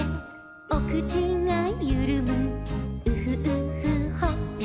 「おくちがゆるむウフウフほっぺ」